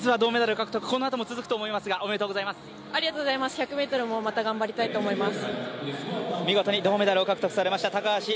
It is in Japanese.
１００ｍもまた頑張りたいと思います。